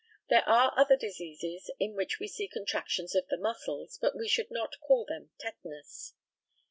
There are other diseases in which we see contractions of the muscles, but we should not call them tetanus.